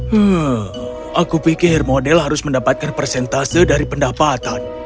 hmm aku pikir model harus mendapatkan persentase dari pendapatan